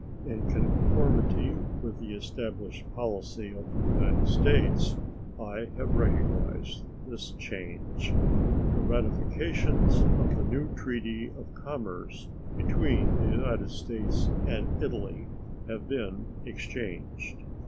In conformity with the established policy of the United States, I have recognized this change. The ratifications of the new treaty of commerce between the United States and Italy have been exchanged.